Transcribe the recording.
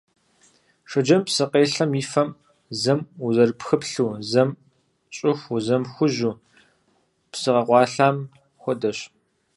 Шэджэм псыкъелъэм и фэм зэм узэпхрыплъу, зэм щӀыхуу, зэм хужьу, псы къэкъуэлъам хуэдэщ.